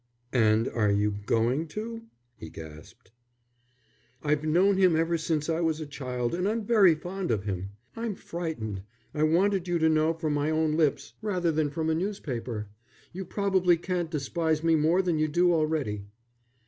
"And are you going to?" he gasped. "I've known him ever since I was a child, and I'm very fond of him. I'm frightened. I wanted you to know from my own lips rather than from a newspaper. You probably can't despise me more than you do already."